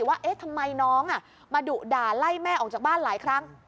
ว่าเอ๊ะทำไมน้องมาดุด่าไล่แม่ออกจากบ้านหลายครั้ง